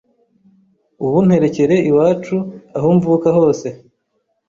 uwunterekere iwacu aho mvuka hose